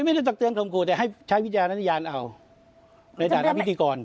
ไม่ได้ตักเตือนคมขู่แต่ให้ใช้วิทยาลัยยานเอาในฐานะพิธีกร